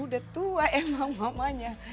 udah tua emang mamanya